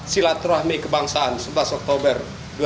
sila terahmi kebangsaan sebelas oktober dua ribu sembilan belas